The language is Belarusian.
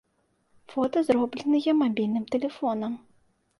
Фота зробленыя мабільным тэлефонам.